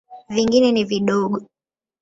Vingine ni vidogo.